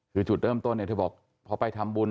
คือจุดเริ่มต้นเธอบอกว่าพอไปทำบุญ